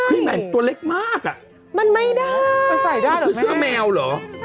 ใหม่ตัวเล็กมากอ่ะมันไม่ได้มันใส่ได้เหรอคือเสื้อแมวเหรอ